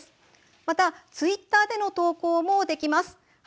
またツイッターでの投稿もできます。